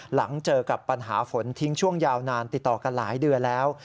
หลังเจอกับปัญหาฝนทิ้งช่วงยาวนานติดต่อกันหลายเดือนแล้ว